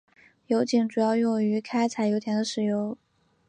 油井主要用于开采油田的石油。